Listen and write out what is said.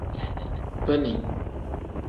Bini.